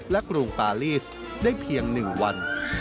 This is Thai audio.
และกรุงปาลีสได้เพียง๑วัน